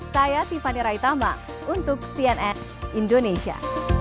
saya tiffany raitama untuk cnn indonesia